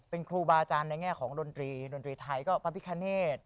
เป็นครูบาอาจารย์ในแง่ของดนตรีดนตรีไทยก็พระพิคเนธ